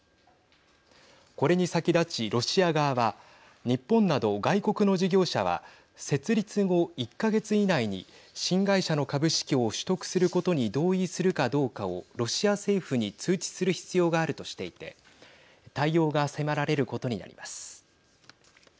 これに先立ちロシア側は日本など外国の事業者は設立後１か月以内に新会社の株式を取得することに同意するかどうかをロシア政府に通知する必要があるとしていて対応が迫られることになります。